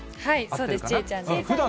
そうです、千恵ちゃんです。